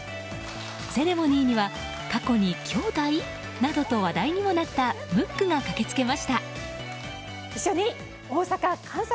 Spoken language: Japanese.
セレモニーには過去に兄弟？などと話題にもなったムックが駆けつけました。